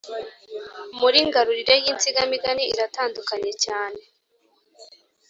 mirangururire y’insigamigani iratandukanye cyane